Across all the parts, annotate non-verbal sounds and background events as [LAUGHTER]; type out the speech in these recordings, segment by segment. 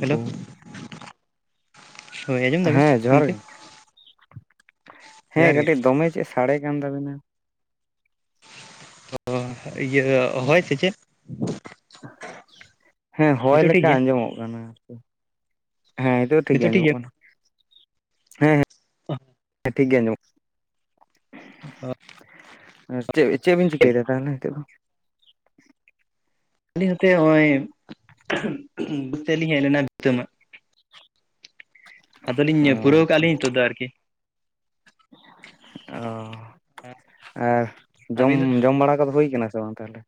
Hello ᱦᱳᱭ ᱟᱸᱡᱚᱢ ᱫᱟᱵᱤᱱ ᱦᱮᱸ ᱡᱚᱦᱟᱨ ᱜᱮ ᱜᱚᱢᱠᱮ? ᱦᱮᱸ ᱡᱚᱦᱟᱨ ᱜᱮ ᱠᱟᱹᱴᱤᱡ ᱫᱚᱢᱮ ᱪᱮᱫ ᱥᱟᱰᱮ ᱠᱟᱱ ᱛᱟᱵᱤᱱᱟ᱾ ᱚ ᱤᱭᱟᱹ ᱦᱚᱭ ᱥᱮ ᱪᱮᱫ? ᱦᱮᱸ ᱦᱚᱭ ᱱᱤᱛᱚᱜ ᱴᱷᱤᱠ ᱞᱮᱠᱟ ᱜᱮᱭᱟ ᱟᱸᱡᱚᱢᱚᱜ ᱠᱟᱱᱟ ᱟᱨᱠᱤ᱾ ᱦᱮᱸ ᱱᱤᱛᱳᱜ ᱴᱷᱤᱠ ᱜᱮ ᱱᱤᱛᱚᱜ ᱟᱡᱚᱢᱚᱜ ᱜᱮᱭᱟ ᱠᱟᱱᱟ᱾ ᱦᱮᱸᱦᱮᱸ᱾ ᱦᱮᱸ ᱴᱷᱤᱠ ᱜᱮᱭᱟ ᱟᱸᱡᱚᱢᱚᱜ ᱪᱮᱫ ᱪᱮᱫᱵᱤᱱ ᱪᱤᱠᱟᱹᱭᱮᱫᱟ ᱛᱟᱦᱚᱞᱮ ᱦᱤᱛᱚᱜ ᱫᱚ? ᱟᱹᱞᱤᱧ ᱦᱟᱛᱮ ᱦᱚᱸᱜ-ᱚᱭ ᱵᱟᱫᱽ ᱛᱮᱞᱤᱧ ᱦᱮᱡ ᱞᱮᱱᱟ ᱵᱷᱤᱛᱟᱹ ᱢᱟᱜ᱾ ᱟᱫᱚᱞᱧ ᱚ ᱯᱩᱨᱟᱹᱣ ᱠᱟᱜᱼᱟ ᱟᱪᱪᱷᱟ ᱞᱤᱧ ᱱᱤᱛᱚᱜ ᱫᱚ ᱟᱨᱠᱤ᱾ ᱚ ᱟᱨ ᱡᱚᱢ ᱟᱹᱵᱤᱱ ᱫᱚ ᱡᱚᱢ ᱵᱟᱲᱟ ᱠᱚᱫᱚ ᱦᱩᱭᱩ ᱠᱟᱱᱟᱱᱟ ᱥᱮ ᱥᱮ ᱵᱟᱝ ᱛᱟᱦᱚᱞᱮ?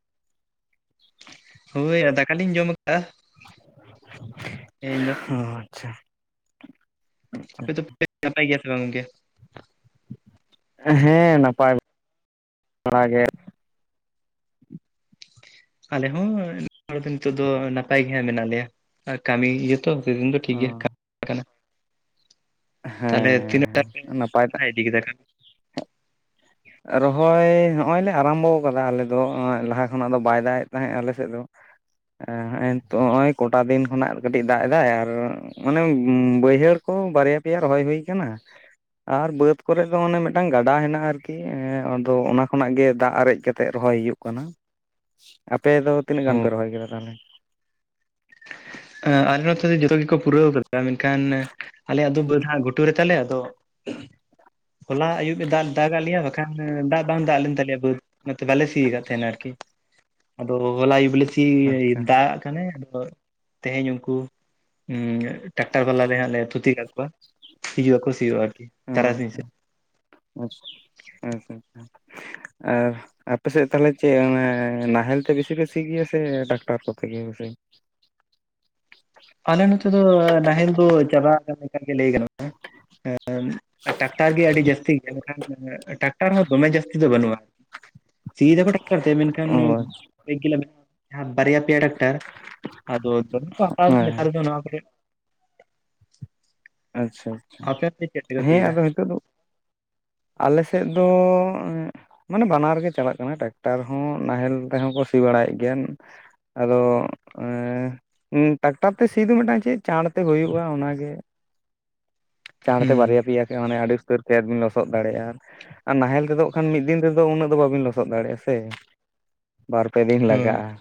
ᱦᱳᱭ ᱟᱨ ᱫᱟᱠᱟ ᱞᱤᱧ ᱡᱚᱢ ᱠᱟᱜᱼᱟ᱾ ᱚ ᱟᱪᱪᱷᱟ ᱟᱪᱪᱷᱟ ᱟᱯᱮ ᱫᱚᱯᱮ ᱱᱟᱯᱟᱭ ᱜᱮᱭᱟ ᱥᱮ ᱵᱟᱝ ᱜᱚᱝᱠᱮ? ᱦᱮᱸ ᱱᱟᱯᱟᱭ ᱵᱟᱲᱟ ᱜᱮ᱾ ᱟᱞᱮ ᱦᱚᱸ ᱦᱚᱲ ᱫᱚ ᱱᱤᱛᱚᱜ ᱫᱚ ᱱᱟᱯᱟᱭ ᱜᱮ ᱦᱟᱸᱜ ᱢᱮᱱᱟᱜ ᱞᱮᱭᱟ ᱟᱨ ᱠᱟᱹᱢᱤ ᱤᱭᱟᱹ ᱛᱚ ᱥᱤᱡᱤᱱ ᱫᱚ ᱴᱷᱤᱠ ᱚ ᱜᱮᱭᱟ [UNINTELLIGIBLE] ᱛᱟᱦᱞᱮ ᱛᱤᱱᱟᱹᱴᱟ ᱦᱮᱸ ᱱᱤᱱ ᱦᱮᱸ ᱱᱟᱯᱟᱭ ᱨᱚᱦᱟᱭ [UNINTELLIGIBLE] [INAUDIBLE] ᱨᱚᱦᱚᱭ ᱦᱚᱜᱼᱚᱭ ᱞᱮ ᱟᱨᱟᱢᱵᱚᱣ ᱠᱟᱫᱟ ᱟᱞᱮᱫ ᱦᱚᱜ-ᱚᱸᱭ ᱞᱟᱦᱟ ᱠᱷᱚᱱᱟᱜ ᱫᱚ ᱵᱟᱭ ᱫᱟᱜ ᱮᱫ ᱛᱟᱦᱮᱸᱫ ᱟᱞᱮ ᱥᱮᱫ ᱫᱚ᱾ ᱟ ᱦᱮᱜ ᱮᱱᱛᱳᱜ ᱦᱚᱸᱜᱼᱚᱭ ᱠᱚᱴᱟ ᱫᱤᱱ ᱠᱷᱚᱱᱟᱜ ᱟᱨ ᱠᱟᱹᱴᱤᱡ ᱫᱟᱜ ᱮᱫᱟᱭ ᱟᱨ ᱢᱟᱱᱮ ᱵᱟᱹᱭᱦᱟᱹᱲ ᱠᱚ ᱵᱟᱨᱭᱟ ᱯᱮᱭᱟ ᱨᱚᱦᱚᱭ ᱦᱩᱭ ᱟᱠᱟᱱᱟ᱾ ᱟᱨ ᱵᱟᱹᱫᱽ ᱠᱚᱨᱮ ᱫᱚ ᱢᱟᱱᱮ ᱢᱤᱫᱴᱟᱝ ᱜᱟᱰᱟ ᱦᱮᱱᱟᱜᱼᱟ ᱟᱨ ᱠᱤᱸ ᱮᱸ ᱟᱫᱚ ᱚᱱᱟ ᱠᱷᱚᱱᱟᱜ ᱜᱮ ᱫᱟᱜ ᱟᱨᱮᱡ ᱠᱟᱛᱮᱜ ᱨᱚᱦᱚᱭ ᱦᱩᱭᱩᱜ ᱠᱟᱱᱟ᱾ ᱟᱯᱮ ᱫᱚ ᱛᱤᱱᱟᱹᱜ ᱜᱟᱱ ᱯᱮ ᱨᱚᱦᱚᱭ ᱠᱮᱫᱟ ᱛᱟᱦᱚᱞᱮ? ᱟᱞᱮ ᱱᱚᱛᱮ ᱫᱚ ᱡᱚᱛᱚ ᱜᱮᱠᱚ ᱯᱩᱨᱟᱹᱣ ᱠᱟᱫᱟ ᱢᱮᱱᱠᱷᱟᱱ ᱟᱞᱮᱭᱟᱜ ᱫᱚ ᱵᱟᱹᱫ ᱦᱟᱸᱜ ᱜᱚᱴ ᱴᱩ ᱨᱮ ᱛᱟᱞᱮ ᱟᱫᱚ ᱦᱚᱞᱟ ᱟᱹᱭᱩᱵ-ᱮ ᱫᱟᱜ ᱫᱟᱜ-ᱟᱫ ᱞᱮᱭᱟ ᱵᱟᱠᱷᱟᱱ ᱫᱟᱜ ᱵᱟᱝ ᱫᱟᱜ ᱞᱮᱱ ᱛᱟᱞᱮᱭᱟ ᱵᱟᱹᱫᱽ᱾ ᱚᱱᱟᱚᱛᱮ ᱵᱟᱞᱮ ᱥᱤᱭ ᱟᱠᱟᱫ ᱛᱟᱦᱮᱱᱟ ᱟᱨᱠᱤ᱾ ᱟᱫᱚ ᱦᱚᱞᱟ ᱟᱹᱭᱩᱵ ᱞᱮ ᱟᱪᱪᱷᱟ ᱪᱤᱱᱫᱟᱜ-ᱟᱜ ᱠᱟᱱᱟᱭ ᱟᱫᱚ ᱛᱮᱦᱮᱧ ᱩᱱᱠᱩ ᱩᱸᱜ ᱴᱟᱠᱴᱟᱨ ᱵᱟᱞᱟᱞᱮ ᱦᱟᱸᱜ ᱞᱮ ᱛᱷᱩᱛᱤ ᱠᱟᱜ ᱠᱚᱣᱟ, ᱦᱤᱡᱩᱜᱼᱟᱠᱚ ᱥᱤᱭᱳ ᱟᱨᱠᱤ ᱛᱟᱨᱟᱥᱤᱧ ᱥᱮᱫ᱾ ᱟᱪᱪᱷᱟ ᱟᱪᱪᱷᱟ ᱟᱨ ᱟᱯᱮᱥᱮᱫ ᱛᱟᱦᱚᱞᱮ ᱪᱮᱫ ᱚᱱᱮ ᱱᱟᱦᱮᱞ ᱛᱮ ᱵᱮᱥᱤ ᱯᱮ ᱥᱤᱜᱮᱭᱟ ᱥᱮ ᱴᱟᱠᱴᱟᱨ ᱠᱚᱛᱮ ᱜᱮ ᱵᱮᱥᱤ᱾ ᱟᱞᱮ ᱱᱚᱛᱮ ᱫᱚ ᱱᱟᱦᱮᱞ ᱫᱚ ᱪᱟᱵᱟ ᱟᱠᱟᱱ ᱞᱮᱠᱟᱜᱮ ᱞᱟᱹᱭ ᱜᱟᱱᱟ᱾ ᱦᱮᱸᱢ ᱴᱟᱠᱴᱟᱨ ᱜᱮ ᱟᱹᱰᱤ ᱡᱟᱹᱥᱛᱤ ᱜᱮᱭᱟ ᱢᱮᱱᱠᱷᱟᱱ ᱴᱟᱟᱠᱴᱟᱨ ᱦᱚᱸ ᱫᱚᱢᱮ ᱡᱟᱹᱥᱛᱤ ᱫᱚ ᱵᱟᱹᱱᱩᱜᱼᱟ᱾ ᱥᱤᱫᱟᱠᱚ ᱴᱟᱠᱴᱟᱨ ᱛᱮ ᱢᱮᱱᱠᱷᱟᱱ ᱚ ᱠᱚᱭᱮᱠ ᱵᱟᱨᱭᱟ ᱯᱮᱭᱟ ᱴᱟᱠᱼᱼ ᱴᱟᱨ ᱟᱫ ᱫᱚᱢᱮᱠᱚ ᱷᱟᱛᱟᱭ ᱦᱮᱸ ᱮᱫᱟ ᱱᱚᱭᱟ ᱠᱚᱨᱮᱫ᱾ ᱟᱪᱪᱷᱟ ᱟᱪᱪᱷᱟ ᱟᱯᱮ ᱚᱱᱛᱮ ᱪᱮᱫ ᱛᱮᱠᱚ ᱥᱤᱭ ᱦᱮᱸ ᱮᱫᱟ ᱟᱫᱚ ᱱᱤᱛᱚᱜ ᱫᱚ ᱟᱞᱮᱥᱮᱫ ᱫᱚ ᱢᱟᱱᱮ ᱵᱟᱱᱟᱨ ᱜᱮᱮ ᱪᱟᱞᱟᱜ ᱠᱟᱱᱟ ᱴᱟᱠᱴᱟᱨ ᱦᱚᱸ ᱱᱟᱦᱮᱞ ᱛᱮᱦᱚᱸ ᱠᱚ ᱥᱤ ᱵᱟᱲᱟᱭᱮᱫ ᱜᱮᱭᱟ ᱟᱫᱚ ᱴᱟᱠᱴᱟᱨ ᱛᱮ ᱥᱤ ᱫᱚ ᱢᱤᱫᱴᱟᱝ ᱪᱮᱫ ᱪᱟᱬ ᱛᱮ ᱦᱩᱭᱩᱜᱼᱟ ᱚᱱᱟᱜᱮ᱾ ᱪᱟᱬ ᱛᱮ ᱦᱩᱸ ᱵᱟᱨᱭᱟ ᱯᱮᱭᱟ ᱟᱹᱰᱤ ᱩᱛᱟᱹᱨ ᱠᱷᱮᱫ ᱵᱤᱱ ᱞᱚᱥᱚᱫ ᱫᱟᱲᱮᱭᱟᱜᱼᱟ ᱟᱨ ᱱᱟᱦᱮᱞ ᱛᱮᱫᱚ ᱠᱷᱟᱱ ᱢᱤᱫ ᱫᱤᱱ ᱛᱮᱫᱚ ᱩᱱᱟᱹᱜ ᱫᱚ ᱵᱟᱵᱤᱱ ᱞᱚᱥᱚᱫ ᱫᱟᱲᱮᱭᱟᱜᱼᱟ ᱥᱮ ᱵᱟᱨᱯᱮ ᱫᱤᱱ ᱦᱳᱭ ᱞᱟᱜᱟᱜᱼᱟ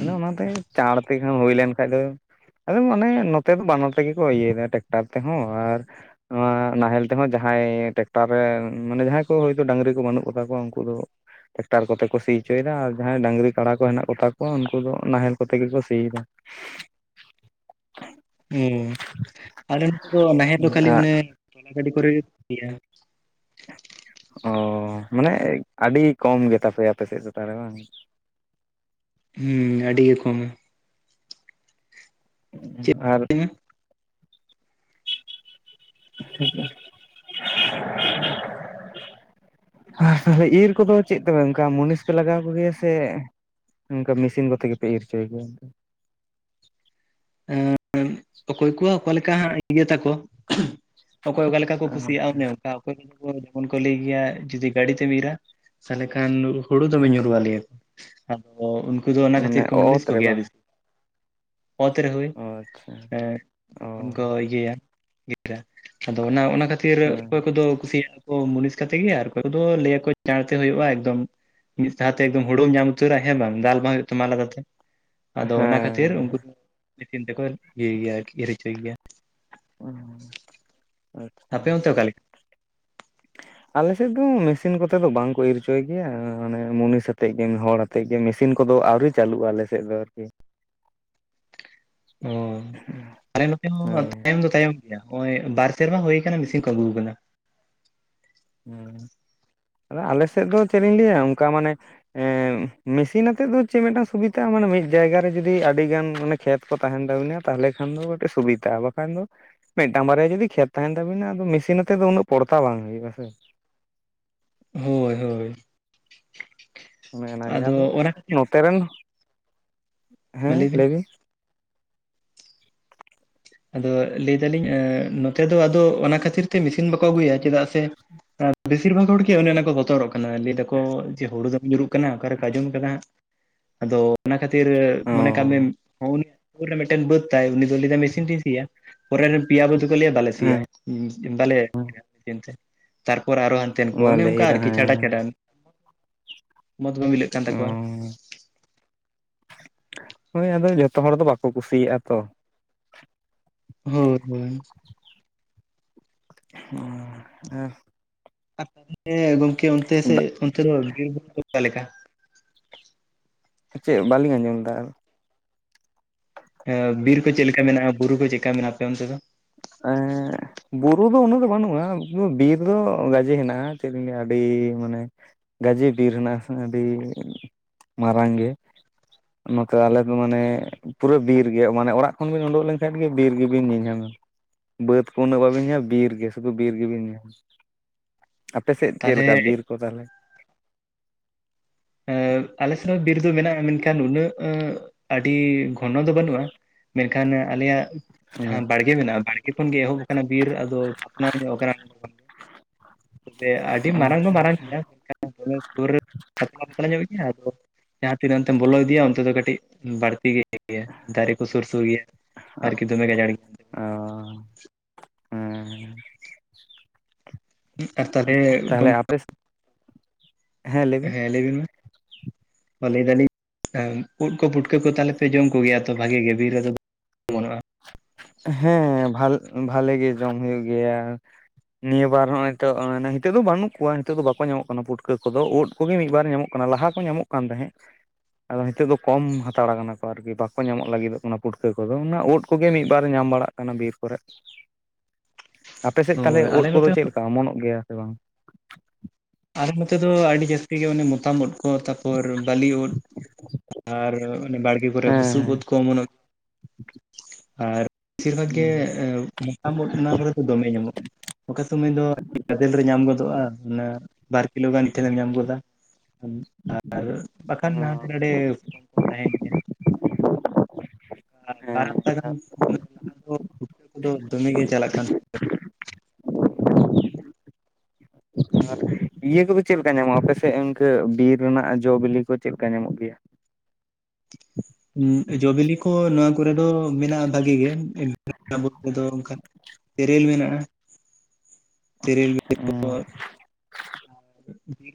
ᱟᱫ ᱚᱱᱟᱛᱮ᱾ ᱪᱟᱬ ᱛᱮᱠᱷᱟᱱ ᱦᱩᱭ ᱞᱮᱱᱠᱷᱟᱱᱡ ᱫᱚ ᱟᱫᱚ ᱢᱟᱱᱮ ᱱᱮᱫ ᱫᱚ ᱵᱟᱱᱟᱨ ᱛᱮᱜᱮ ᱠᱚ ᱤᱭᱟᱹᱭᱟ ᱴᱮᱠᱴᱟᱨ ᱛᱮᱦᱚᱸ ᱟᱨ᱾ ᱱᱚᱣᱟ ᱱᱟᱦᱮᱞ ᱛᱮᱦᱚᱸ ᱡᱟᱦᱟᱸᱭ ᱴᱟᱠᱴᱟᱨ ᱨᱮ ᱢᱟᱱᱮ ᱡᱟᱦᱟᱸᱭ ᱠᱚ ᱦᱭᱛᱳ ᱰᱟᱝᱨᱤ ᱠᱚ ᱵᱟᱹᱱᱩᱜ ᱠᱚᱛᱟ ᱠᱚᱣᱟ ᱩᱱᱠᱩ ᱫᱚ᱾ ᱴᱟᱠᱴᱟᱨ ᱠᱚᱛᱮ ᱠᱚ ᱥᱤ ᱷᱪᱚᱭᱮᱫᱟ ᱟᱨ ᱡᱟᱦᱟᱸᱭ ᱰᱟᱹᱝᱨᱤ ᱠᱟᱲᱟ ᱠᱚ ᱦᱮᱱᱟᱜ ᱠᱚᱛᱟ ᱠᱚᱣᱟ ᱩᱱᱠᱩ ᱫᱚ ᱱᱟᱦᱮᱞ ᱠᱚᱛᱮ ᱜᱮᱠᱚ ᱥᱤᱭᱮᱫᱟ᱾ [UNINTELLIGIBLE] ᱦᱩᱸ ᱟᱞᱮ ᱱᱚᱛᱮ ᱫᱚ ᱱᱟᱦᱮᱞ ᱫᱚ ᱠᱷᱟᱹᱞᱤ ᱚᱱᱮ ᱛᱚᱞᱟ ᱜᱟᱹᱰᱤ ᱠᱚᱨᱮ ᱜᱮᱠᱚ ᱥᱤᱭᱟ᱾ ᱚ ᱢᱟᱱᱮ ᱟᱹᱰᱤ ᱠᱚᱢ ᱜᱮᱛᱟᱯᱮᱭᱟ ᱟᱯᱮ ᱥᱮᱫ ᱛᱟᱷᱞᱮ ᱵᱟᱝ᱾ ᱦᱩᱸ ᱟᱹᱰᱤ ᱜᱮ ᱠᱚᱢ ᱪᱮᱫ ᱟᱨ [UNINTELLIGIBLE] ᱟᱨ ᱤᱨ ᱠᱚᱫᱚ ᱪᱮᱫ ᱛᱮᱯᱮ ᱚᱱᱠᱟ ᱢᱩᱱᱤᱥ ᱯᱮ ᱞᱟᱜᱟᱣ ᱥᱮ᱾ ᱚᱱᱠᱟ ᱢᱮᱥᱤᱱ ᱠᱚᱛᱮ ᱜᱮᱯᱮ ᱤᱨ ᱦᱚᱪᱚᱭ ᱜᱮᱭᱟ᱾ ᱮᱸ ᱠᱚᱣᱟᱜ ᱚᱠᱟ ᱞᱮᱠᱟ ᱦᱟᱜ ᱤᱭᱟᱹ ᱛᱟᱠᱚ᱾ ᱚᱠᱚᱭ ᱚᱠᱟ ᱞᱮᱠᱟ ᱠᱚ ᱠᱩᱥᱤᱭᱟᱜᱼᱟ ᱟᱪᱪᱷᱟ ᱚᱱᱮ ᱚᱠᱚᱭ ᱫᱚ ᱡᱮᱢᱚᱱ ᱠᱚ ᱞᱟᱹᱭ ᱜᱮᱭᱟ ᱡᱩᱫᱤ ᱜᱟᱹᱰᱤ ᱛᱮᱢ ᱤᱨᱟ ᱛᱟᱦᱚᱞᱮ ᱠᱷᱟᱱ ᱦᱳᱲᱩ ᱫᱚᱢᱮ ᱦᱮᱸ ᱧᱩᱨᱩᱣᱟ ᱞᱮᱭᱟ ᱠᱚ ᱟᱫᱚ ᱩᱱᱠᱩ ᱫᱚ ᱚᱱᱟ ᱢᱟᱱᱮ ᱠᱷᱟᱹᱛᱤᱨ ᱠᱚ ᱚᱛ ᱢᱩᱱᱤᱥ ᱨᱮ ᱠᱚᱜᱮᱭᱟ᱾ ᱵᱟᱝ ᱚᱛ ᱨᱮ ᱦᱩᱭ ᱚ ᱟᱪᱪᱷᱟ ᱚ ᱡᱠᱷᱚᱱ ᱠᱚ ᱤᱭᱟᱹᱭᱟ ᱟᱫᱚ ᱚᱱᱟ ᱚᱱᱟ ᱠᱷᱟᱹᱛᱤᱨ ᱦᱮᱸ ᱚᱠᱚᱭ ᱠᱚᱫᱚ ᱠᱩᱥᱤᱭᱟᱜ᱾ ᱢᱩᱱᱤᱥ ᱠᱟᱛᱮ ᱜᱮ ᱟᱨ ᱞᱟᱹᱭᱟ ᱪᱟᱲᱛᱮ ᱦᱩᱭᱩᱜᱼᱟ ᱮᱠᱫᱚᱢ ᱢᱤᱜ ᱥᱟᱶᱛᱮ ᱮᱠᱚᱢ ᱦᱩᱲᱩᱢ ᱧᱟᱢ ᱩᱛᱟᱹᱨᱟ ᱦᱮ? ᱵᱟᱝ ᱫᱟᱞ ᱵᱟᱝ ᱦᱩᱭᱩᱜ ᱛᱟᱢᱟ ᱟᱞᱟᱫᱟᱛᱮ᱾ ᱟᱫᱚ ᱚᱱᱟ ᱠᱷᱟᱛᱤᱨ ᱦᱮᱸ ᱩᱱᱠ ᱢᱤᱥᱤᱱ ᱛᱮᱠᱚ ᱤᱭᱟᱹᱭ ᱜᱮᱭᱟ ᱤᱨ ᱦᱚᱪᱚᱭ ᱜᱮᱭᱟ᱾ ᱟᱪᱪᱷᱟ ᱟᱯᱮ ᱚᱱᱛᱮ ᱚᱠᱟ ᱞᱮᱠᱟ ᱟᱞᱮᱥᱮᱫ ᱫᱚ ᱢᱤᱥᱤᱱ ᱠᱚᱛᱮ ᱫᱚ ᱵᱟᱝᱠᱚ ᱤᱨ ᱦᱚᱪᱚᱭ ᱜᱮᱭᱟ, ᱢᱟᱱᱮ ᱢᱩᱱᱤᱥ ᱟᱛᱮᱜ ᱜᱮ ᱦᱚᱲ ᱛᱮ ᱜᱮ ᱢᱤᱥᱤᱱ ᱠᱚᱫᱚ ᱟᱹᱣᱨᱤ ᱪᱟᱹᱞᱩᱜᱼᱟ ᱟᱞᱮᱥᱮᱜ ᱫᱚ ᱟᱨᱠᱤ, ᱚ ᱟᱞᱮ ᱱᱚᱛᱮ ᱦᱚᱸ ᱦᱳᱭ ᱛᱟᱭᱚᱢ ᱫᱚ ᱛᱟᱭᱚᱢ ᱱᱚᱜᱼᱚᱭ ᱵᱟᱨ ᱥᱮᱨᱢᱟ ᱦᱩᱭ ᱠᱟᱱᱟ ᱢᱤᱥᱤᱱ ᱠᱚ ᱟᱹᱜᱩ ᱠᱟᱫᱟ᱾ ᱦᱩᱸ ᱟᱫᱚ ᱟᱞᱮ ᱥᱮᱜ ᱫᱚ ᱪᱮᱫ ᱤᱧ ᱞᱟᱹᱭᱟ ᱚᱱᱠᱟ ᱢᱟᱱᱮ ᱢᱤᱥᱤᱱ ᱟᱛᱮᱜ ᱫᱚ ᱪᱮᱜ ᱢᱤᱜᱴᱟᱝ ᱥᱩᱵᱤᱛᱟᱼᱟ ᱢᱟᱱᱮ ᱢᱤᱫ ᱡᱟᱭᱜᱟ ᱨᱮ ᱡᱩᱫᱤ ᱟᱹᱰᱤᱜᱟᱱ ᱢᱟᱱᱮ ᱠᱷᱮᱛ ᱠᱚ ᱛᱟᱦᱮᱱ ᱛᱟᱹᱵᱤᱱᱟ ᱛᱟᱦᱞᱮ ᱠᱷᱟᱱ ᱫᱚ ᱠᱟᱹᱴᱤᱡ ᱥᱩᱵᱤᱛᱟᱼᱟ ᱵᱟᱠᱷᱟᱱ ᱫᱚ ᱢᱤᱜᱴᱟᱝ ᱵᱟᱨᱭᱟ ᱡᱩᱫᱤ ᱠᱷᱮᱛ ᱛᱟᱦᱮᱱ ᱛᱟᱵᱤᱱᱟ ᱟᱫᱚ ᱢᱤᱥᱤᱱ ᱟᱛᱮᱜ ᱫᱚ ᱩᱱᱟᱹᱜ ᱯᱚᱲᱛᱟ ᱵᱟᱝ ᱦᱩᱭᱩᱜᱼᱟ ᱥᱮ᱾ ᱦᱳᱭ ᱦᱳᱭ ᱚᱱᱮ ᱚᱱᱟ ᱜᱮ ᱟᱫᱚ ᱚᱱᱟ ᱠᱷᱟᱹᱛᱤᱨ ᱱᱚᱛᱮ ᱨᱮᱱ ᱦᱮᱸ ᱞᱟᱹᱭ ᱵᱤᱱ᱾ ᱟᱫᱚ ᱞᱟᱹᱭ ᱫᱟᱞᱤᱧ ᱱᱚᱛᱮ ᱫᱚ ᱟᱫᱚ ᱚᱱᱟ ᱠᱷᱟᱹᱛᱤᱨ ᱛᱮ ᱢᱤᱥᱤᱱ ᱵᱟᱠᱚ ᱟᱹᱜᱩᱭᱟ ᱪᱮᱫᱟᱜ ᱥᱮ ᱵᱤᱥᱤᱨ ᱵᱷᱟᱜ ᱦᱚᱲ ᱜᱮ ᱚᱱᱮ ᱚᱱᱟ ᱠᱚ ᱵᱚᱛᱚᱨᱚᱜ ᱚᱱᱟ ᱞᱟᱹᱭ ᱫᱟᱠᱚ ᱡᱮ ᱦᱳᱲᱩ ᱫᱚᱢ ᱧᱩᱨᱩᱜ ᱠᱟᱱᱟ ᱚᱠᱟᱨᱮᱠᱚ ᱟᱸᱡᱚᱢ ᱟᱠᱟᱫᱟ ᱦᱟᱸᱜ ᱟᱫᱚ ᱚᱱᱟ ᱠᱷᱟᱹᱛᱤᱨ ᱚ ᱢᱚᱱᱮ ᱠᱟᱜ ᱢᱮᱢ ᱱᱩᱜ ᱱᱩᱠᱩᱨ ᱢᱤᱫᱴᱟᱹᱱ ᱨᱮ ᱵᱟᱹᱫ ᱛᱟᱭ ᱩᱱᱤ ᱫᱚᱭ ᱞᱟᱹᱭ ᱮᱫᱟ ᱢᱤᱥᱤᱱ ᱛᱤᱧ ᱥᱤᱭᱟ ᱯᱚᱨᱮ ᱨᱮᱢ ᱯᱮᱭᱟ ᱵᱟᱹᱫᱽ ᱦᱚᱸᱠᱚ ᱞᱟᱹᱭᱼᱟ ᱵᱟᱞᱮ ᱥᱤ ᱦᱮᱸ ᱭᱟᱭ, ᱩᱸ ᱵᱟᱞᱮ [UNINTELLIGIBLE] ᱮᱱᱛᱮ᱾ ᱛᱟᱨᱯᱚᱨ ᱟᱨᱚ ᱦᱟᱱᱛᱮᱱ ᱠᱚ ᱚᱱᱮ ᱵᱟᱞᱮ ᱚᱝᱠᱟ ᱤᱨᱟ ᱟᱨᱠᱤ ᱪᱷᱟᱰᱟ ᱦᱮᱸ ᱪᱷᱟᱰᱟᱱ᱾ ᱢᱚᱸᱫᱽ ᱵᱟᱝ ᱢᱤᱞᱟᱹᱜ ᱠᱟᱱ ᱚ ᱛᱟᱠᱚᱣᱟ᱾ ᱦᱳᱭ ᱟᱫᱚ ᱡᱚᱛᱚ ᱦᱚᱲ ᱫᱚ ᱵᱟᱠᱚ ᱠᱩᱥᱤᱭᱟᱜᱼᱟ ᱛᱚ᱾ ᱦᱳᱫᱽ ᱦᱳᱭ᱾ [INAUDIBLE] ᱦᱩᱸ ᱦᱮᱸ᱾ ᱟᱨ ᱛᱟ [UNINTELLIGIBLE] ᱜᱚᱝᱠᱮ ᱚᱱᱛᱮ ᱥᱮᱜ ᱚᱱᱛᱮ ᱫᱚ [UNINTELLIGIBLE] ᱚᱠᱟ ᱞᱮᱠᱟ? ᱪᱮᱜ ᱵᱟᱹᱞᱤᱧ ᱟᱸᱡᱚᱢ ᱞᱮᱫᱟ ᱟᱨ? ᱦᱮᱸ ᱵᱤᱨ ᱠᱚ ᱪᱮᱫ ᱞᱮᱠᱟ ᱢᱮᱱᱟᱜᱼᱟ ᱵᱩᱨᱩ ᱠᱚ ᱪᱮᱜ ᱠᱟ ᱢᱮᱱᱟᱜᱼᱟ, ᱟᱯᱮ ᱚᱱᱛᱮ ᱫᱚ? ᱦᱮᱸᱻ ᱵᱩᱨᱩ ᱫᱚ ᱩᱱᱟᱹᱜ ᱫᱚ ᱵᱟᱹᱱᱩᱜᱼᱟ, ᱩᱸ ᱵᱤᱨ ᱫᱚᱸ ᱜᱟᱡᱮ ᱦᱮᱱᱟᱜᱼᱟ ᱪᱮᱫ ᱤᱧ ᱞᱟᱹᱭᱼᱟ ᱟᱹᱰᱤ ᱢᱟᱱᱮ ᱜᱟᱡᱮ ᱵᱤᱨ ᱦᱮᱸᱱᱟᱜᱼᱟ ᱦᱟᱸᱜ ᱟᱹᱰᱤ ᱢᱟᱨᱟᱝ ᱜᱮ᱾ ᱱᱚᱠᱟ ᱟᱞᱮ ᱫᱚ ᱢᱟᱱᱮᱻᱜ ᱯᱩᱨᱟᱹ ᱵᱤᱨ ᱜᱮᱭᱟᱜ, ᱢᱟᱱᱮ ᱚᱲᱟᱜ ᱠᱷᱚᱱ ᱵᱤᱱ ᱩᱰᱩᱸᱜ ᱞᱮᱱᱠᱷᱟᱡ ᱜᱮ ᱵᱤᱨ ᱜᱮ ᱵᱤᱱ ᱧᱮᱧᱟᱢᱟ᱾ ᱵᱟᱹᱫᱽ ᱠᱚ ᱩᱱᱟᱹᱜ ᱵᱟᱹᱵᱤᱱ ᱧᱟᱢ ᱵᱤᱨ ᱜᱮ ᱥᱩᱫᱩ ᱵᱤᱨ ᱜᱤᱵᱤᱱ ᱧᱟᱢᱼᱟ, ᱟᱯᱮᱥᱮᱫ ᱪᱮᱫ ᱛᱟᱦᱚᱞᱮ ᱞᱮᱠᱟ ᱵᱤᱨ ᱠᱚ ᱛᱟᱦᱮᱞᱮ? ᱮᱸᱻ ᱟᱞᱮ ᱥᱮᱫ ᱦᱚᱸ ᱵᱤᱨ ᱫᱚ ᱢᱮᱱᱟᱜᱼᱟ, ᱢᱮᱱᱠᱷᱟᱱ ᱩᱱᱟᱹᱜ ᱟᱸᱻᱜ ᱟᱹᱰᱤ ᱜᱷᱚᱱᱚ ᱫᱚ ᱵᱟᱹᱱᱩᱜᱼᱟ, ᱢᱮᱱᱠᱷᱟᱱ ᱟᱞᱮᱭᱟᱜ ᱡᱟᱦᱟᱸ ᱵᱟᱲ ᱜᱮ ᱢᱮᱱᱟᱜᱼᱟ ᱵᱟᱲᱜᱮ ᱠᱷᱚᱱ ᱜᱮ ᱮᱦᱚᱵ ᱟᱠᱟᱱᱟ ᱵᱤᱨ ᱟᱫᱚ ᱟᱯᱱᱟᱨ ᱧᱚᱜ ᱟᱠᱟᱱᱟ ᱱᱚᱰᱮ ᱠᱷᱚᱱ᱾ ᱵᱮ ᱟᱹᱰᱤ ᱢᱟᱨᱟᱝ ᱫᱚ ᱟᱪᱪᱷᱟ ᱢᱟᱨᱟᱝ ᱟᱪᱪᱷᱟ ᱜᱮᱭᱟ ᱢᱮᱱᱠᱷᱟᱱ ᱫᱚᱢᱮ ᱥᱩᱨ [UNINTELLIGIBLE] ᱧᱟᱢᱮᱫ ᱜᱮᱭᱟ ᱟᱫᱚ ᱡᱟᱦᱟᱸ ᱛᱤᱱ ᱚᱱᱛᱮᱢ ᱵᱚᱞᱚ ᱤᱫᱤᱜᱼᱟ ᱚᱱᱛᱮ ᱫᱚ ᱠᱟᱹᱴᱤᱜ ᱵᱟᱹᱲᱛᱤ ᱜᱮ᱾ [UNINTELLIGIBLE] ᱜᱮᱭᱟ ᱫᱟᱨᱮ ᱠᱚ ᱥᱩᱨ ᱥᱩᱨ ᱜᱮᱭᱟ ᱟᱨᱠᱤ ᱫᱚᱢᱮ ᱜᱟᱡᱟᱲ [UNINTELLIGIBLE] ᱟᱸᱻ ᱦᱩᱸᱻ ᱩᱸᱜ ᱟᱨ ᱛᱟᱞᱦᱮ ᱜᱚᱢ- ᱟᱯᱮ ᱦᱮᱸ ᱞᱟᱹᱭ ᱵᱤᱱ ᱢᱟ? ᱢᱟ ᱞᱟᱹᱭ ᱮᱫᱟ ᱞᱤᱧ ᱮᱸ ᱩᱫ ᱠᱚ ᱯᱩᱴᱠᱟᱹ ᱠᱚ ᱛᱟᱦᱮᱞᱮ ᱯᱮ ᱡᱚᱢ ᱠᱚᱜᱮᱭᱟ ᱛᱚ ᱵᱷᱟᱹᱜᱮ ᱜᱮ ᱵᱤᱨ ᱨᱮᱫᱚ ᱚᱢᱚᱱᱚᱜᱼᱟ᱾ ᱦᱮᱸ ᱵᱷᱟᱞ ᱵᱷᱟᱞᱮ ᱜᱮ ᱡᱚᱢ ᱦᱩᱭᱩᱜ ᱜᱮᱭᱟ᱾ ᱱᱤᱭᱟᱹ ᱵᱟᱨ ᱦᱚᱸᱜᱼᱚᱭ ᱛᱚᱜ ᱟᱸ ᱦᱤᱛᱟᱹᱜ ᱫᱚ ᱵᱟᱹᱱᱩᱜ ᱠᱚᱣᱟ, ᱱᱤᱛᱚᱜ ᱫᱚ ᱵᱟᱠᱚ ᱧᱟᱢᱚᱜ ᱠᱟᱱᱟ ᱯᱩᱴᱠᱟᱹ ᱠᱚᱫᱚ, ᱩᱫ ᱠᱚᱜᱮ ᱢᱤᱫᱵᱟᱨ ᱧᱟᱢᱚᱜ ᱠᱟᱱᱟ ᱞᱟᱦᱟ ᱠᱚ ᱧᱟᱢᱚᱜ ᱠᱟᱱ ᱛᱟᱦᱮᱸᱜ᱾ ᱟᱫᱚ ᱱᱤᱛᱚᱜ ᱫᱚ ᱠᱚᱢ ᱦᱟᱛᱟᱲ ᱟᱠᱟ ᱱᱟᱠᱚ ᱟᱨᱠᱤ ᱵᱟᱠᱚ ᱧᱟᱢᱚᱜ ᱞᱟᱹᱜᱤᱫᱚᱜ ᱠᱟᱱᱟ ᱯᱩᱴᱠᱟᱹ ᱠᱚᱫᱚ, ᱚᱱᱟ ᱩᱫ ᱠᱚᱜᱮ ᱢᱤᱫ ᱵᱟᱨ ᱧᱟᱢ ᱵᱟᱲᱟᱜ ᱠᱟᱱᱟ ᱵᱤᱨ ᱠᱚᱨᱮᱫ ᱾ ᱟᱯᱮᱥᱮᱫ ᱛᱟᱦᱮᱞᱮ ᱦᱳᱭ ᱩᱫ ᱟᱞᱮ ᱠᱚᱫᱚ ᱱᱚᱛᱮ ᱪᱮᱫ ᱦᱚᱸ ᱞᱮᱠᱟ ᱚᱢᱚᱱᱚᱜ ᱜᱮᱭᱟ ᱥᱮ ᱵᱟᱝ? ᱟᱞᱮ ᱱᱚᱛᱮ ᱫᱚ ᱟᱹᱰᱤ ᱡᱟᱹᱥᱛᱤ ᱜᱮ ᱚᱱᱮ ᱢᱚᱛᱟᱢ ᱩᱫ ᱯᱚᱨ ᱛᱟᱯᱚᱨ ᱵᱟᱹᱞᱤ ᱩᱫ ᱟᱨ ᱚᱱᱮ ᱵᱟᱲᱜᱮ ᱠᱚᱨᱮ ᱵᱩᱥᱩᱵ ᱦᱮᱸ ᱩᱫ ᱠᱚ ᱚᱢᱚᱱᱚᱜ [INAUDIBLE] ᱟᱨ ᱵᱤᱥᱤᱨ ᱵᱷᱟᱜ ᱜᱮ ᱦᱮᱸ ᱮᱸ [UNINTELLIGIBLE] ᱛᱟᱢ ᱩᱫ ᱚᱱᱟ ᱠᱚᱨᱮ ᱫᱚ ᱫᱚᱢᱮ ᱧᱟᱢᱚᱜ, ᱚᱠᱟ ᱥᱚᱢᱚᱭ ᱫᱚ [UNINTELLIGIBLE] ᱜᱟᱫᱮᱞ ᱨᱮ ᱧᱟᱢ ᱜᱚᱫᱚᱜᱼᱟ ᱚᱱᱟ ᱵᱟᱨ ᱠᱤᱞᱳ ᱜᱟᱱ ᱢᱤᱫ ᱴᱷᱮᱱᱮᱢ ᱧᱟᱢ ᱜᱚᱫᱟ, ᱩᱸ ᱟᱨ ᱵᱟᱠᱷᱟᱱ ᱦᱟᱸᱰᱮ ᱱᱷᱟᱰᱮ ᱠᱚᱢ ᱠᱚᱢ ᱛᱟᱦᱮᱱ ᱜᱮᱭᱟ ᱾ ᱟᱨ ᱵᱟᱨ ᱦᱟᱯᱛᱟ ᱜᱟᱱ ᱦᱮᱸ ᱤᱱᱟᱹ ᱞᱟᱦᱟ ᱫᱚ ᱯᱩᱴᱠᱟᱹ ᱠᱚᱫᱚ ᱫᱚᱢᱮ ᱜᱮ ᱪᱟᱞᱟᱜ ᱠᱟᱱ ᱛᱟᱦᱮᱸᱱ ᱾ ᱟᱨ ᱤᱭᱟᱹ ᱠᱚᱫᱚ ᱪᱮᱫ ᱞᱮᱠᱟ ᱧᱟᱢᱚᱜᱼᱟ ᱟᱯᱮᱥᱮᱜ ᱤᱱᱠᱟᱹ ᱵᱤᱨ ᱨᱮᱱᱟᱜ ᱡᱚ ᱵᱤᱞᱤ ᱠᱚ ᱪᱮᱫ ᱞᱮᱠᱟ ᱧᱟᱢᱚᱜ ᱜᱮᱭᱟ? ᱩᱸ ᱡᱚ ᱵᱤᱞᱤ ᱠᱚ ᱱᱚᱣᱟ ᱠᱚᱨᱮ ᱫᱚ ᱢᱮᱱᱟᱜᱼᱟ ᱵᱷᱟᱜᱤ ᱜᱮ [INAUDIBLE] ᱵᱩᱨᱩ ᱨᱮᱫᱚ ᱚᱝᱠᱟ᱾ ᱛᱮᱨᱮᱞ ᱢᱮᱱᱟᱜᱼᱟ ᱾ [INAUDIBLE] ᱛᱮᱨᱮᱞ᱾ ᱚᱻ᱾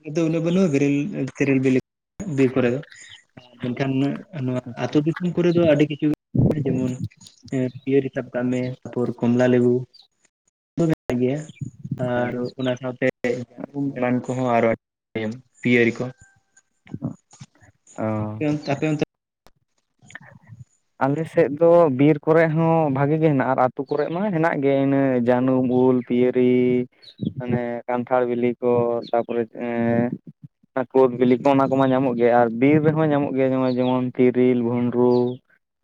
ᱟᱫᱚ ᱩᱱᱟᱹᱜ ᱵᱟᱹᱱᱩᱜ-ᱟ ᱵᱮᱨᱮᱞ ᱛᱮᱨᱮᱞ ᱵᱮᱞᱮ ᱵᱤᱨ ᱠᱚᱨᱮ ᱫᱚ, ᱟᱨ ᱢᱮᱱᱠᱷᱟᱱ ᱱᱚᱣᱟ ᱟᱹᱛᱩ ᱯᱷᱩᱱ ᱠᱚᱨᱮ ᱫᱚ ᱟᱹᱰᱤ ᱠᱤᱪᱷᱩ, ᱡᱮᱢᱚᱱ ᱯᱤᱭᱟᱹᱨᱤ ᱥᱟᱵ ᱠᱟᱜ ᱢᱮ ᱛᱟᱨᱯᱚᱨ ᱠᱚᱢᱞᱟ ᱞᱮᱵᱩ ᱛᱚ ᱢᱮᱱᱟᱜ ᱜᱮᱭᱟ ᱟᱨ ᱚᱱᱟ ᱥᱟᱶᱛᱮ [INAUDIBLE] ᱮᱢᱟᱱ ᱠᱚᱦᱚᱸ ᱟᱨᱚ [UNINTELLIGIBLE] ᱯᱤᱭᱟᱹᱨᱤ ᱠᱚ᱾ ᱚ ᱟᱯᱮ ᱚᱱᱛᱮ ᱟᱯᱮ ᱚᱱᱛᱮ ᱟᱞᱮ ᱥᱮᱫ ᱫᱚ ᱵᱤᱨ ᱠᱚᱨᱮ ᱦᱚᱸ ᱵᱷᱟᱜᱮ ᱜᱮ ᱦᱮᱱᱟᱜ-ᱟ ᱟᱨ ᱟᱛᱳ ᱠᱚᱨᱮ ᱢᱟ ᱦᱮᱱᱟᱜ ᱜᱮ ᱤᱱᱟᱹ ᱡᱟᱹᱱᱩᱢ, ᱩᱞ ᱯᱤᱭᱟᱹᱨᱤᱻ ᱢᱟᱱᱮ ᱠᱟᱱᱴᱷᱟᱲ ᱵᱤᱞᱤ ᱠᱚ ᱛᱟᱯᱚᱨᱮ ᱮᱸᱻ᱾ ᱠᱳᱫ ᱵᱤᱞᱤ ᱠᱚ ᱚᱱᱟ ᱠᱚᱢᱟ ᱧᱟᱢᱚᱜ ᱜᱮᱭᱟ, ᱟᱨ ᱵᱤᱨ ᱨᱮᱦᱚᱸ ᱧᱟᱢᱚᱜ ᱜᱮᱭᱟ ᱱᱚᱜ-ᱚᱭ ᱡᱮᱢᱚᱱ ᱛᱤᱨᱤᱞ, ᱵᱷᱩᱸᱱᱰᱨᱩ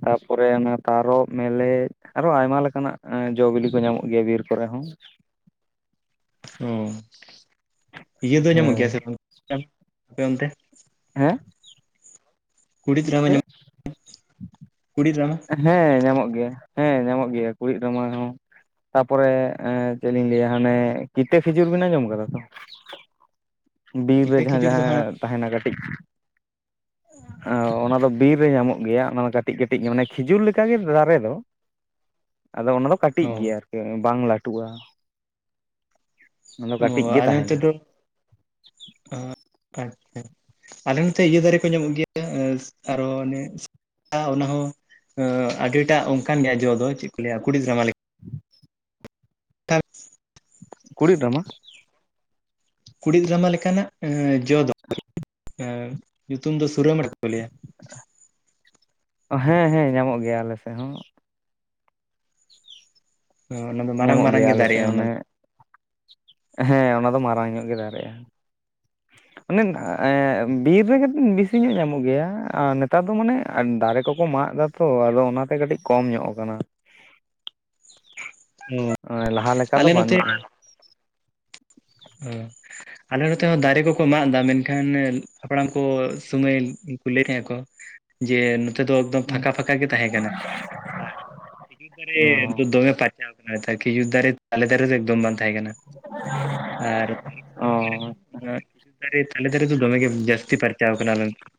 ᱛᱟᱯᱚᱨᱮ ᱚᱱᱟ ᱛᱟᱨᱚᱵ, ᱢᱮᱞᱮᱜ᱾ ᱟᱨᱚ ᱟᱭᱢᱟ ᱞᱮᱠᱟᱱᱟᱜ ᱡᱚ ᱵᱤᱞᱤ ᱠᱚ ᱧᱟᱢᱚᱜ ᱜᱮᱭᱟ ᱵᱤᱨ ᱠᱚᱨᱮ ᱦᱚᱸ᱾ ᱚ ᱤᱭᱟᱹ ᱫᱚ ᱧᱟᱢᱚᱜ ᱜᱮᱭᱟ ᱥᱮ ᱦᱮᱸ ᱵᱟᱝ [INAUDIBLE] ᱟᱯᱮ ᱚᱱᱛᱮ᱾ ᱦᱮᱸ᱾ ᱠᱩᱲᱤᱫᱨᱟᱢᱟ ᱧᱟᱢᱚᱜ [INAUDIBLE] ᱠᱩᱲᱤᱜ ᱨᱟᱢᱟ᱾ ᱦᱮᱸ ᱧᱟᱢᱚᱜ ᱜᱮᱭᱟ, ᱦᱮᱸ ᱧᱟᱢᱚᱜ ᱜᱮᱭᱟ ᱠᱩᱲᱤᱜ ᱨᱟᱢᱟ ᱦᱚᱸ ᱾ ᱛᱟᱯᱚᱨᱮ ᱮ ᱪᱮᱫ ᱞᱤᱧ ᱞᱟᱹᱭᱟ ᱦᱟᱱᱮ ᱠᱤᱛᱟᱹ ᱠᱷᱤᱡᱩᱨ ᱵᱤᱱ ᱟᱸᱡᱚᱢ ᱠᱟᱫᱟ ᱛᱚ? ᱵᱤᱨ ᱨᱮ ᱠᱤᱛᱟᱹ ᱡᱟᱦᱟᱸ ᱠᱷᱤᱡᱩᱨ ᱫᱚ ᱦᱟᱸᱜ ᱡᱟᱦᱟᱸ ᱛᱟᱦᱮᱸᱱᱟ ᱠᱟᱹᱴᱤᱡ ᱚᱻ᱾ ᱚᱱᱟ ᱫᱚ ᱵᱤᱨ ᱨᱮ ᱧᱟᱢᱚᱜ ᱜᱮᱭᱟ ᱚᱱᱟ ᱴᱟ ᱠᱟᱹᱴᱤᱡ ᱠᱟᱹᱴᱤᱡ ᱚᱱᱮ ᱠᱷᱤᱡᱩᱨ ᱞᱮᱠᱟᱜᱮ ᱫᱟᱨᱮ ᱫᱚ, ᱟᱫᱚ ᱚᱱᱟ ᱫᱚ ᱠᱟᱹᱴᱤᱡ ᱚ ᱜᱮᱭᱟ ᱟᱹᱨᱠᱤ᱾ ᱵᱟᱝ ᱞᱟᱹᱴᱩᱜ-ᱟ ᱚᱱᱟ ᱫᱚ ᱠᱟᱹᱴᱤᱡ ᱜᱮ ᱟᱞᱮ ᱱᱚᱛᱮ ᱛᱟᱦᱮᱸᱱᱟ ᱾ ᱫᱚ ᱚ ᱟᱪᱪᱷᱟ᱾ ᱟᱞᱮ ᱱᱚᱛᱮ ᱤᱭᱟᱹ ᱫᱟᱨᱮ ᱠᱚ ᱧᱟᱢᱚᱜ ᱜᱮᱭᱟ, ᱮᱥ ᱟᱨᱚ ᱚᱱᱮ᱾ ᱴᱟ ᱚᱱᱟ ᱦᱚᱸ ᱟᱹᱰᱤᱴᱟᱜ ᱚᱱᱠᱟᱱ ᱜᱮᱭᱟ ᱡᱚ ᱫᱚ ᱪᱮᱫ ᱠᱚ ᱞᱟᱹᱭᱟ ᱠᱩᱲᱤᱫᱨᱟᱢᱟ ᱞᱮᱠ ᱛᱟᱨ ᱠᱩᱲᱤᱫ ᱨᱟᱢᱟ᱾ ᱠᱩᱲᱤᱫ ᱨᱟᱢᱟ ᱞᱮᱠᱟᱱᱟᱜ ᱮ ᱡᱚ ᱫᱚ ᱮ ᱧᱩᱛᱩᱢ ᱫᱚ ᱥᱩᱨᱟᱹᱢᱟᱴᱷᱟ ᱠᱚ ᱞᱮᱭᱟ ᱾ ᱦᱮᱸ ᱦᱮᱸ ᱧᱟᱢᱚᱜ ᱜᱮᱭᱟ ᱟᱞᱮ ᱥᱮᱫ ᱦᱚᱸ ᱾ ᱚᱱᱟ ᱫᱚ ᱢᱟᱨᱟᱝ ᱧᱟᱢᱚᱜ ᱢᱟᱨᱟᱝ ᱜᱮᱭᱟ ᱜᱮ ᱟᱞᱮ ᱥᱮᱫ ᱫᱟᱨᱮᱜ-ᱟ ᱚᱱᱟ ᱚᱱᱮ ᱦᱮᱸ ᱚᱱᱟ ᱫᱚ ᱢᱟᱨᱟᱝ ᱧᱚᱜ ᱜᱮ ᱫᱟᱨᱮᱜ-ᱟ ᱾ ᱚᱱᱮ ᱮ ᱵᱤᱨ ᱨᱮᱜᱮ ᱵᱮᱥᱤ ᱧᱚᱜ ᱧᱟᱢᱚᱜ ᱜᱮᱭᱟ, ᱟᱨ ᱱᱮᱛᱟᱨ ᱫᱚ ᱢᱟᱱᱮ ᱫᱟᱨᱮ ᱠᱚᱠᱚ ᱢᱟᱜ ᱫᱟ ᱛᱚ ᱟᱫᱚ ᱚᱱᱟᱛᱮ ᱠᱟᱹᱴᱤᱡ ᱠᱚᱢ ᱧᱚᱜ ᱟᱠᱟᱱᱟ᱾ ᱫᱚ ᱮ ᱞᱟᱦᱟ ᱞᱮᱠᱟ ᱫᱚ ᱟᱞᱮ ᱱᱚᱛᱮ ᱵᱟᱹᱱᱩᱜ-ᱟ᱾ ᱚ᱾ ᱟᱞᱮ ᱱᱚᱛᱮ ᱦᱚᱸ ᱫᱟᱨᱮ ᱠᱚᱠᱚ ᱢᱟᱜ ᱮᱫᱟ ᱢᱮᱱᱠᱷᱟᱱ ᱦᱟᱯᱲᱟᱢ ᱠᱚ ᱥᱩᱢᱚᱭ ᱠᱚ ᱞᱟᱹᱭᱮᱫ ᱛᱟᱦᱮᱸᱫ ᱟᱠᱚ ᱡᱮ ᱱᱚᱛᱮ ᱫᱚ ᱮᱠᱫᱚᱢ ᱯᱷᱟᱸᱠᱟ ᱯᱷᱟᱸᱠᱟ ᱜᱮ ᱛᱟᱦᱮᱸ ᱠᱟᱱᱟ᱾ ᱠᱷᱤᱡᱩᱨ ᱫᱟᱨᱮ ᱫᱚᱢᱮ ᱯᱟᱨᱪᱷᱟ ᱟᱠᱟᱱᱟ ᱠᱷᱤᱡᱩᱨ ᱫᱟᱨᱮ, ᱛᱟᱞᱮ ᱫᱟᱨᱮ ᱫᱚ ᱮᱠᱫᱚᱢ ᱵᱟᱝ ᱛᱟᱦᱮᱸ ᱠᱟᱱᱟ᱾ ᱟᱨ [UNINTELLIGIBLE] ᱚ ᱠᱷᱤᱡᱩᱨ ᱫᱟᱨᱮ, ᱛᱟᱞᱮ ᱫᱟᱨᱮ ᱫᱚ ᱫᱚᱢᱮ ᱜᱮ ᱡᱟᱹᱥᱛᱤ ᱯᱷᱟᱨᱪᱟᱣ ᱠᱟᱱᱟ ᱟᱞᱮ ᱱᱚᱛᱮ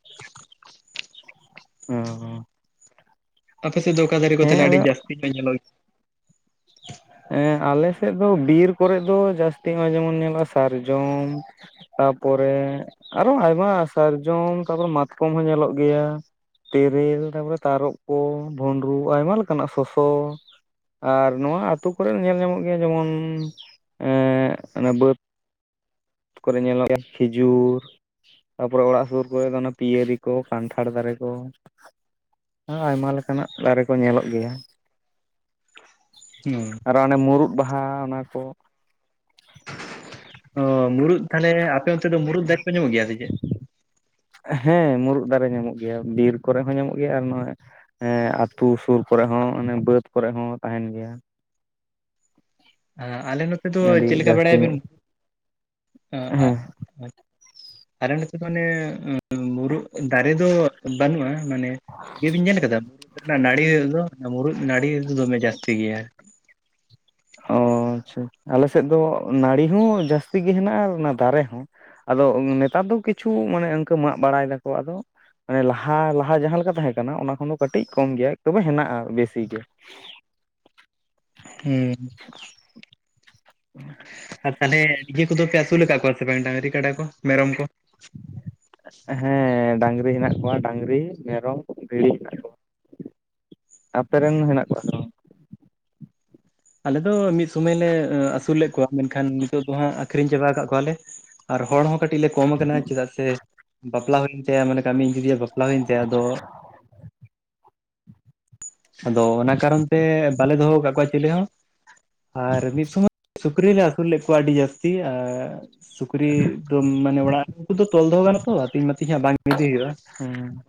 ᱦᱩᱸ ᱦᱩᱸ᱾ ᱟᱯᱮᱥᱮᱫ ᱫᱚ ᱚᱠᱟ ᱫᱟᱨᱮ ᱠᱚ ᱛᱟᱦᱚᱸᱞᱮ ᱟᱹᱰᱤ ᱡᱟᱹᱥᱛᱤ ᱜᱮ ᱧᱮᱞᱚᱜ [INAUDIBLE] ᱦᱮᱸ ᱟᱞᱮ ᱥᱮᱫ ᱫᱚ ᱵᱤᱨ ᱠᱚᱨᱮᱜ ᱫᱚ ᱡᱟᱹᱥᱛᱤ ᱱᱚᱜ-ᱚᱭ ᱡᱮᱢᱚᱱ ᱧᱮᱞᱚᱜ-ᱟ ᱥᱟᱨᱡᱚᱢ ᱛᱟᱯᱚᱨᱮ ᱟᱨᱚ ᱟᱭᱢᱟ ᱥᱟᱨᱡᱚᱢ, ᱛᱟᱯᱚᱨᱮ ᱢᱟᱛᱠᱚᱢ ᱦᱚᱸ ᱧᱮᱞᱚᱜ ᱜᱮᱭᱟ᱾ ᱛᱮᱨᱮᱞ ᱛᱟᱯᱚᱨᱮ ᱛᱟᱨᱚᱵ ᱠᱚ, ᱵᱷᱩᱩᱱᱰᱨᱩ ᱟᱭᱢᱟ ᱞᱮᱠᱟᱱᱟᱜ ᱥᱚᱥᱚ, ᱟᱨ ᱱᱚᱣᱟ ᱟᱹᱛᱳ ᱠᱚᱨᱮ ᱧᱮᱞ ᱧᱟᱢᱚᱜ ᱜᱮᱭᱟ ᱡᱮᱢᱚᱱ ᱮᱸ ᱵᱟᱹᱫ ᱠᱚᱨᱮ ᱧᱮᱞᱚᱜ ᱜᱮᱭᱟ ᱠᱷᱤᱡᱩᱨ ᱛᱟᱨᱯᱚᱨᱮ ᱚᱲᱟᱜ ᱥᱳᱨ ᱠᱚᱨᱮ ᱫᱚ, ᱯᱤᱭᱟᱹᱨᱤ ᱠᱚ ᱠᱟᱱᱴᱷᱟᱲ ᱫᱟᱨᱮ ᱠᱚ᱾ ᱟᱭᱢᱟ ᱞᱮᱠᱟᱱᱟᱜ, ᱫᱟᱨᱮ ᱠᱚ ᱧᱮᱞᱚᱜ ᱜᱮᱭᱟ᱾ [INAUDIBLE] [INAUDIBLE] ᱦᱩᱸ [INAUDIBLE] ᱟᱨ ᱚᱱᱮ ᱢᱩᱨᱩᱫ ᱵᱟᱦᱟ ᱚᱱᱟ ᱠᱚ᱾ ᱚ ᱢᱩᱨᱩᱫ ᱛᱟᱦᱚᱞᱮ, ᱟᱯᱮ ᱚᱱᱛᱮ ᱫᱚ ᱢᱩᱨᱩᱫ ᱫᱟᱨᱮ ᱠᱚ, ᱧᱟᱢᱚᱜ ᱜᱮᱭᱟ ᱥᱮ ᱪᱮᱫ? ᱦᱮᱸ ᱢᱩᱨᱩᱫ ᱫᱟᱨᱮ ᱧᱟᱢᱚᱜ ᱜᱮᱭᱟ, ᱵᱤᱨ ᱠᱚᱨᱮ ᱦᱚᱸ ᱧᱟᱢᱚᱜ ᱜᱮᱭᱟ ᱟᱨ ᱱᱚᱣᱟ ᱦᱮᱸ ᱟᱹᱛᱩ ᱥᱩᱨ ᱠᱚᱨᱮ ᱦᱚᱸ, ᱚᱱᱮ ᱵᱟᱹᱫ ᱠᱚᱨᱮ ᱦᱚᱸ ᱛᱟᱦᱮᱱ ᱜᱮᱭᱟ᱾ ᱟᱞᱮ ᱱᱚᱛᱮ ᱫᱚ, ᱟᱹᱰᱤ ᱪᱮᱫ ᱞᱮᱠᱟ ᱡᱟᱹᱥᱛᱤ ᱵᱟᱲᱟᱭᱟ ᱧᱚᱜ ᱵᱤᱱ [UNINTELLIGIBLE] ᱦᱮᱸ [UNINTELLIGIBLE] ᱠᱟᱨᱚᱱ ᱦᱚᱛᱚ ᱢᱟᱱᱮ ᱢᱩᱨᱩᱫ ᱫᱟᱨᱮ ᱫᱚ ᱵᱟᱹᱱᱩᱜᱼᱟ, ᱢᱟᱱᱮ ᱤᱭᱟᱹᱵᱤᱱ ᱧᱮᱞ ᱠᱟᱫᱟ, ᱚᱱᱟ ᱱᱟᱹᱲᱤ ᱫᱚ ᱢᱩᱨᱩᱫ ᱱᱟᱲᱤ ᱫᱚ, ᱫᱚᱢᱮ ᱡᱟᱥᱛᱤ ᱜᱮᱭᱟ᱾ ᱚ ᱟᱪᱪᱷᱟ, ᱟᱞᱮᱥᱮᱫ ᱫᱚ ᱱᱟᱹᱲᱤ ᱦᱚᱸ ᱡᱟᱹᱥᱛᱤ ᱜᱮ ᱦᱮᱱᱟᱜᱼᱟ, ᱟᱨ ᱚᱱᱟ ᱫᱟᱨᱮ ᱦᱚᱸ᱾ ᱟᱫᱚ ᱱᱮᱛᱟᱨ ᱫᱚ ᱠᱤᱪᱷᱩ, ᱢᱟᱱᱮ ᱚᱱᱠᱟᱹ ᱢᱟᱜ ᱵᱟᱲᱟᱭ ᱫᱟᱠᱚ ᱟᱫᱚ ᱢᱟᱱᱮ ᱞᱟᱦᱟ ᱞᱟᱦᱟ ᱡᱟᱦᱟᱸ ᱞᱮᱠᱟ ᱛᱟᱦᱮᱸ ᱠᱟᱱᱟ, ᱚᱱᱟ ᱠᱷᱚᱱ ᱫᱚ ᱠᱟᱹᱴᱤᱡ ᱠᱚᱢ ᱜᱮᱭᱟ, ᱛᱚᱵᱮ ᱦᱮᱱᱟᱜᱼᱟ ᱵᱮᱥᱤ ᱜᱮ ᱦᱩᱸ, [INAUDIBLE] [INAUDIBLE] ᱟᱨ ᱛᱟᱦᱚᱞᱮ ᱤᱭᱟᱹ ᱠᱚᱫᱚ ᱯᱮ, ᱟᱹᱥᱩᱞ ᱟᱠᱟᱫ ᱠᱚᱣᱟ ᱥᱮ ᱵᱟᱝ ᱰᱟᱝᱨᱤ, ᱠᱟᱰᱟ ᱠᱚ ᱢᱮᱨᱚᱢ ᱠᱚ? ᱦᱮᱸ ᱰᱟᱝᱨᱤ ᱦᱮᱱᱟᱜ ᱠᱚᱣᱟ ᱰᱟᱝᱨᱤ, ᱢᱮᱨᱚᱢ, ᱵᱷᱤᱲᱤ ᱦᱮᱱᱟᱜ ᱠᱚᱣᱟ᱾ ᱟᱯᱮ ᱨᱮᱱ ᱦᱮᱱᱟᱜ ᱠᱚᱣᱟ ᱥᱮ ᱵᱟᱝ? ᱟᱞᱮ ᱫᱚ ᱢᱤᱫ ᱥᱚᱢᱟᱹᱭ ᱞᱮ, ᱟᱹᱥᱩᱞ ᱞᱮᱫ ᱠᱚᱣᱟ᱾ ᱢᱮᱱᱠᱷᱟᱱ ᱱᱤᱛᱚᱜ ᱫᱚ ᱦᱟᱸᱜ, ᱟᱹᱠᱷᱨᱤᱧ ᱪᱟᱵᱟ ᱟᱠᱟᱫ ᱠᱚᱣᱟᱞᱮ, ᱟᱨ ᱦᱚᱲ ᱦᱚᱸ ᱠᱟᱹᱴᱤᱡ ᱞᱮ ᱠᱚᱢ ᱠᱟᱱᱟ ᱪᱮᱫᱟᱜ ᱥᱮ ᱵᱟᱯᱞᱟ ᱦᱩᱭᱮᱱ ᱛᱟᱭᱟ ᱢᱟᱱᱮ ᱠᱟᱹᱢᱤ, ᱤᱧ ᱫᱤᱫᱤᱭᱟᱜ ᱵᱟᱯᱞᱟ ᱦᱩᱭᱮᱱ ᱛᱟᱭᱟ ᱟᱫᱚ ᱟᱫᱚ ᱚᱱᱟ ᱠᱟᱨᱚᱱ ᱛᱮ, ᱵᱟᱞᱮ ᱫᱚᱦᱚ ᱠᱟᱫ ᱠᱚᱣᱟ ᱪᱤᱞᱤ ᱦᱚᱸ, ᱟᱨ ᱢᱤᱫ ᱥᱚᱢᱚᱭ ᱥᱩ ᱥᱩᱠᱨᱤ ᱞᱮ ᱟᱹᱥᱩᱞ ᱞᱮᱫ ᱠᱚᱣᱟ ᱟᱹᱰᱤ ᱡᱟᱹᱥᱛᱤ᱾ ᱥᱩᱠᱨᱤ ᱫᱚ ᱢᱟᱱᱮ ᱚᱲᱟᱜ ᱩᱱᱠᱩ ᱫᱚ, ᱛᱚᱞ ᱫᱚᱦᱚ ᱜᱟᱱᱚᱜ ᱟᱛᱚ ᱟᱛᱤᱧ ᱢᱟᱛᱤᱧ ᱦᱟᱸᱜ ᱵᱟᱝ ᱤᱫᱤ ᱦᱳᱭᱩᱜᱼᱟ᱾ ᱦᱩᱸ,